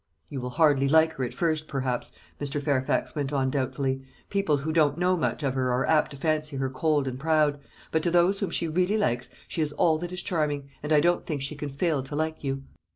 "You will hardly like her at first, perhaps," Mr. Fairfax went on, doubtfully. "People who don't know much of her are apt to fancy her cold and proud; but to those whom she really likes she is all that is charming, and I don't think she can fail to like you."